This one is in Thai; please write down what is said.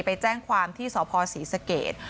ไปแจ้งความที่สพศรีสเกต